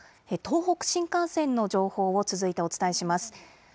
東北新幹線の情報を続いてお伝えします。